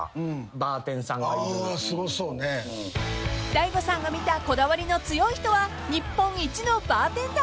［大悟さんが見たこだわりの強い人は日本一のバーテンダー］